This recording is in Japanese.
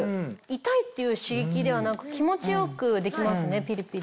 痛いっていう刺激ではなく気持ち良くできますねピリピリ。